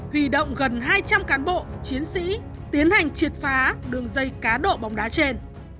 huy động gần hai trăm linh cán bộ chiến sĩ tiến hành triệt phá đường dây cá độ bóng đá trên